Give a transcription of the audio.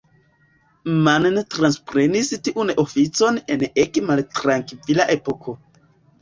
Mann transprenis tiun oficon en ege maltrankvila epoko.